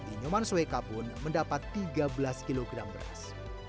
inyoman sweka pun mendapat tiga belas kg beras